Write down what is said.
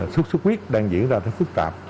sức sức quyết đang diễn ra thật phức tạp